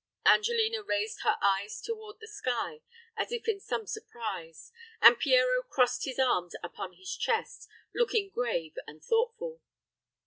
Angelina raised her eyes toward the sky, as if in some surprise; and Pierrot crossed his arms upon his chest, looking grave and thoughtful.